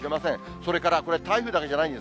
それからこれ、台風だけじゃないんです。